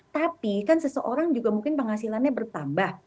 tapi kan seseorang juga mungkin penghasilannya bertambah